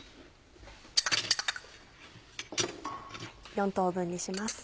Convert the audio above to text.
４等分にします。